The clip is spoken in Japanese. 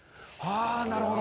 なるほど。